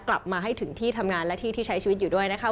กลับมาให้ถึงที่ทำงานและที่ที่ใช้ชีวิตอยู่ด้วยนะคะ